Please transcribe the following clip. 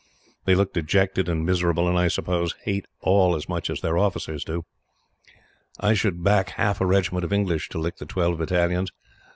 They look dejected and miserable, and I suppose hate it all as much as their officers do. I should back half a regiment of English to lick the twelve battalions.